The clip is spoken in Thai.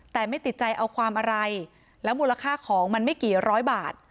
แต่ไม่ติดใจเอาความอะไรแล้วมูลค่าของมันไม่กี่ร้อยบาท